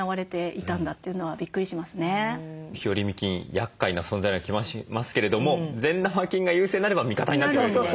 やっかいな存在のような気もしますけれども善玉菌が優勢になれば味方になってくれるというね。